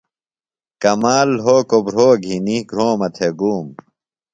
کمال لھوکوۡ بُھروۡ گِھنیۡ گُھرومہ تھےۡ ۡ گُوم۔